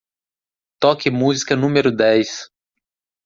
Toque música número dez.